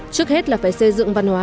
trước hết là phải xây dựng văn hóa